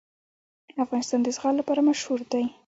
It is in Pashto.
افغانستان د زغال لپاره مشهور دی.